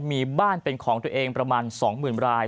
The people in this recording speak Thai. มีบ้านเป็นของตัวเองประมาณสองหมื่นราย